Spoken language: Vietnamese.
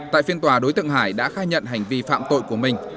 tại phiên tòa đối tượng hải đã khai nhận hành vi phạm tội của mình